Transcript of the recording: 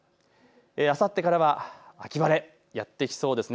あさってからは秋晴れ、やって来そうです。